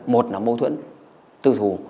một là mâu thuẫn tư thù